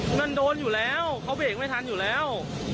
มันโดนอยู่แล้วเขาเบรกไม่ทันอยู่แล้ว